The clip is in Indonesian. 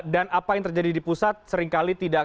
dan apa yang terjadi di pusat seringkali tidak